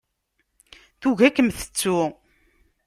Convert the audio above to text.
Tugi ad kem-tettu.